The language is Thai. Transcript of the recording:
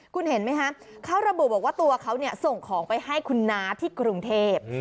คุณเห็นไหมคะเขาระบุบอกว่าตัวเขาส่งของไปให้คุณน้าที่กรุงเทพ